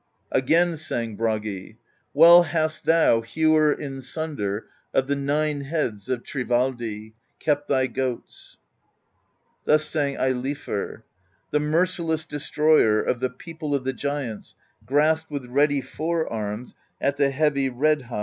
Again sang Bragi: Well hast Thou, Hewer in Sunder Of the nine heads of Thrivaldi, Kept thy goats* ... Thus sang Eilifr: The Merciless Destroyer Of the people of the Giants Grasped with ready fore arms At the heavy red hot iron.